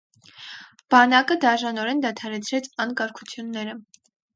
Բանակը դաժանորեն դադարեցրեց անկարգությունները։